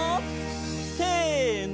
せの！